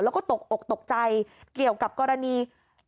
แล้วก็ตกอกตกใจเกี่ยวกับกรณี